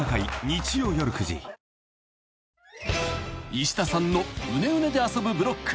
［石田さんのうねうねで遊ぶブロック］